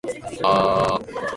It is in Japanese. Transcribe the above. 解禁